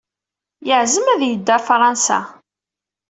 Yeɛzem ad yeddu ɣer Fṛansa.